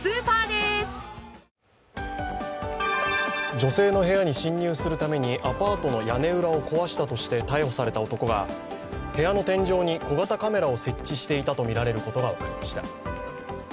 女性の部屋に侵入するためにアパートの屋根裏を壊したとして逮捕された男が部屋の天井に小型カメラを設置していたとみられることが分かります。